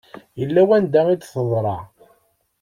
Yella wanda i d-teḍra.